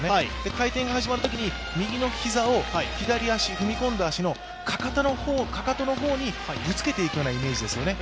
回転が始まるときに、右の膝を左足、踏み込んだ足のかかとの方、かかとの方にぶつけていくようなイメージですね。